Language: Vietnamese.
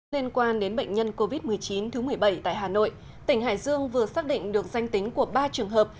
liên quan đến bệnh nhân covid một mươi chín thứ một mươi bảy tại hà nội tỉnh hải dương vừa xác định được danh tính của ba trường hợp